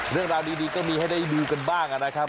เรื่องราวดีก็มีให้ได้ดูกันบ้างนะครับ